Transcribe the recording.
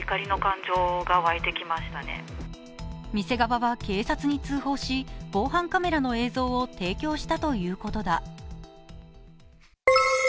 店側は警察に通報し、防犯カメラの映像を提供したということだ。